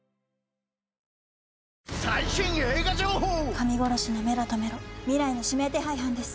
神殺しのメラとメロ未来の指名手配犯です。